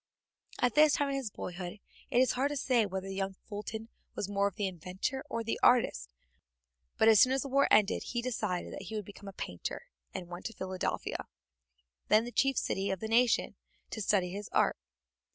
At this time in his boyhood it was hard to say whether the young Fulton was more the inventor or the artist, but as soon as the war ended he decided that he would become a painter, and went to Philadelphia, then the chief city of the new nation, to study his art.